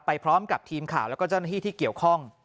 พร้อมกับทีมข่าวแล้วก็เจ้าหน้าที่ที่เกี่ยวข้อง